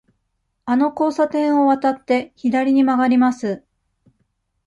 あの交差点を渡って、左に曲がります。